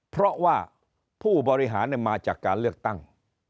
เพราะว่าผู้บริหารมาจากการเลือกตั้ง